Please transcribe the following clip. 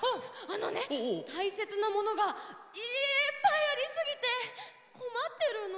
あのねたいせつなものがいっぱいありすぎてこまってるの。